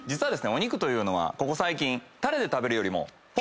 お肉というのはここ最近。